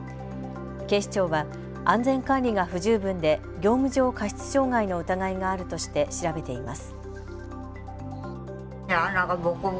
警視庁は安全管理が不十分で業務上過失傷害の疑いがあるとして調べています。